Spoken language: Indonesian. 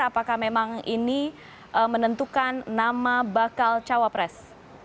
apakah memang ini menentukan nama bakal cawapres